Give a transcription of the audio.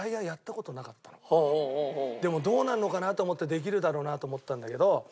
でも俺でもどうなるのかなと思ってできるだろうなと思ったんだけど。